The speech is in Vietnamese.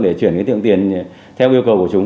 để chuyển tiền theo yêu cầu của chúng